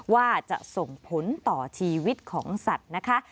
ว่าจะส่งผลต่อชีวิตของสัตว์นะคะ